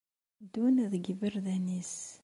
Itteddun deg yiberdan-is!